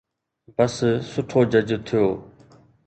بس سٺو جج ٿيو.